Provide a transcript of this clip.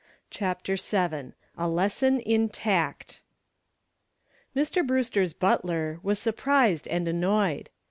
CHAPTER VII A LESSON IN TACT Mr. Brewster's butler was surprised and annoyed.